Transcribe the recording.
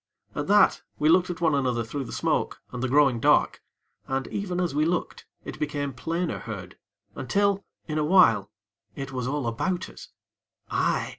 At that we looked at one another through the smoke and the growing dark, and, even as we looked, it became plainer heard, until, in a while, it was all about us aye!